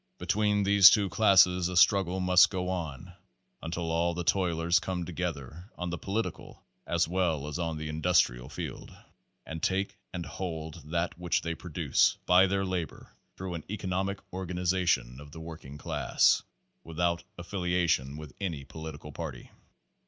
"Between these two classes a struggle must go on until all the toilers come together on the political, as well as on the industrial field, and take and hold that which they produce by their labor through an economic *Existed almost wholly on paper. Page Five /< organization of the working class, without affiliation with any political party.